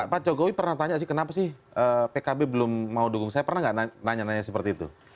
pak jokowi pernah tanya sih kenapa sih pkb belum mau dukung saya pernah nggak nanya nanya seperti itu